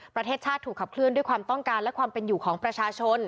ประเทศชาติถูกขับเคลื่อนด้วยความต้องการและความเป็นอยู่ของประชาชน